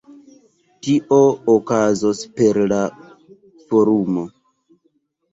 Tio okazos per la forumo.